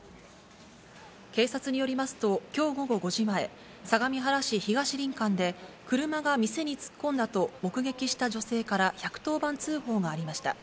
警察によりますと、きょう午後５時前、相模原市東林間で、車が店に突っ込んだと、目撃した女性から１１０番通報がありました。